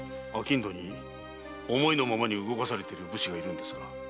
商人に思いのままに動かされる武士がいるのですか？